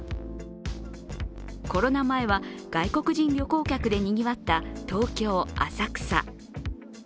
コロナ前は外国人旅行客でにぎわった東京・浅草。